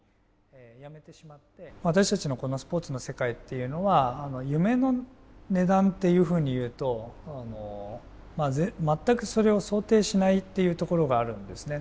私たちのこのスポーツの世界っていうのは夢の値段っていうふうに言うと全くそれを想定しないっていうところがあるんですね。